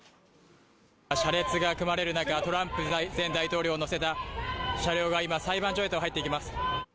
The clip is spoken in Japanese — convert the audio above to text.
車列が組まれる中、トランプ前大統領を乗せた車が今、裁判所へと入っていきます。